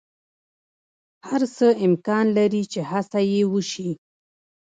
هر څه امکان لری چی هڅه یی وشی